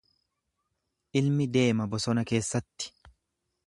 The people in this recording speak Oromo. Ilmi deema bosona keessatti.